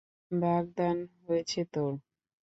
বাগদান হয়েছে তোর?